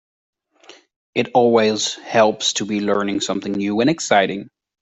It always helps to be learning something new and exciting.